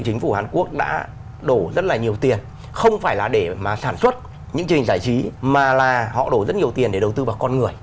chính phủ hàn quốc đã đổ rất là nhiều tiền không phải là để mà sản xuất những chương trình giải trí mà là họ đổ rất nhiều tiền để đầu tư vào con người